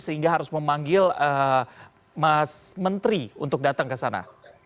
sehingga harus memanggil mas menteri untuk datang ke sana